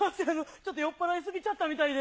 ちょっと酔っぱらい過ぎちゃったみたいで。